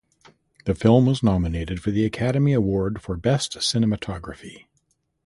The film was nominated for the Academy Award for Best Cinematography.